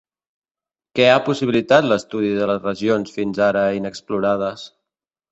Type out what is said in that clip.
Què ha possibilitat l'estudi de les regions fins ara inexplorades?